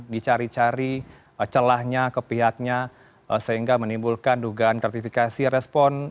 dicari cari celahnya ke pihaknya sehingga menimbulkan dugaan gratifikasi respon